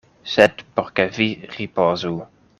Sed por ke vi ripozu.